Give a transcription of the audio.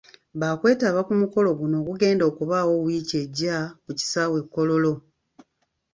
Baakwetaba ku mukolo guno ogugenda okubaawo wiiki ejja ku kisaawe e Kololo.